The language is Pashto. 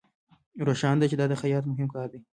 روښانه ده چې دا د خیاط مهم کار دی